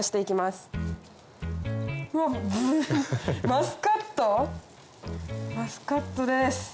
マスカットです。